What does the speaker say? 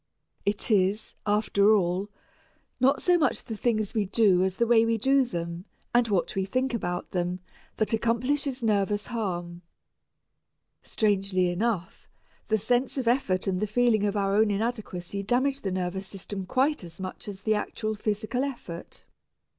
It is, after all, not so much the things we do as the way we do them, and what we think about them, that accomplishes nervous harm. Strangely enough, the sense of effort and the feeling of our own inadequacy damage the nervous system quite as much as the actual physical effort.